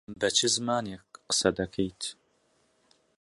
بە چ زمانێک قسە دەکەیت؟